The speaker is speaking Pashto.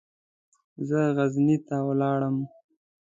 زه غزني ته ولاړم.